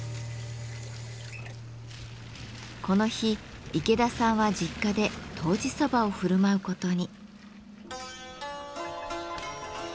この日池田さんは実家でとうじそばを振る舞うことに。